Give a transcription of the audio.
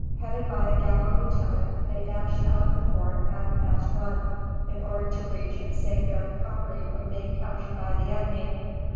Headed by a gallant lieutenant, they dashed out of the fort on a fast run, in order to reach and save their property from being captured by the enemy.